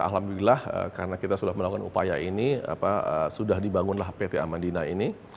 alhamdulillah karena kita sudah melakukan upaya ini sudah dibangunlah pt amandina ini